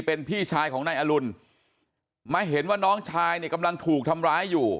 เป็นพี่ชายของนายอรุณมาเห็นว่าน้องชายเนี่ยกำลังถูกทำร้ายอยู่